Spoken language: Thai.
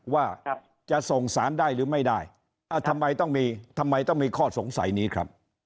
ว่าจะส่งสารได้หรือไม่ได้ทำไมต้องมีข้อสงสัยนี้ครับ